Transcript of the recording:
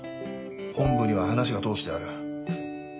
本部には話を通してある。